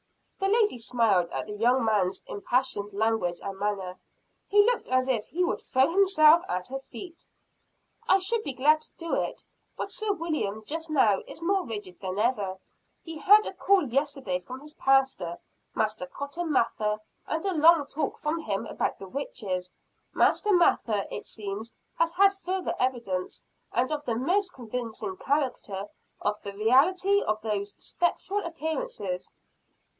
The lady smiled at the young man's impassioned language and manner he looked as if he would throw himself at her feet. "I should be too glad to do it. But Sir William just now is more rigid than ever. He had a call yesterday from his pastor, Master Cotton Mather, and a long talk from him about the witches. Master Mather, it seems, has had further evidence and of the most convincing character, of the reality of these spectral appearances."